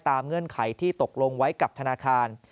เงื่อนไขที่ตกลงไว้กับธนาคาร